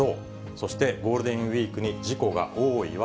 そして、ゴールデンウィークに事故が多い訳。